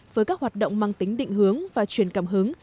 với các hoạt động mang tính định hướng và truyền cảm hứng